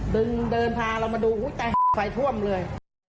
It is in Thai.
เดินพาเรามาดูอุ้ยตายไฟท่วมเลย